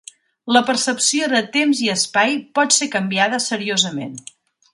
La percepció de temps i espai pot ser canviada seriosament.